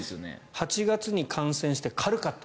８月に感染して軽かった。